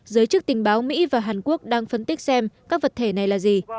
giới chức tình báo mỹ và hàn quốc đang phân tích xem các vật thể này là gì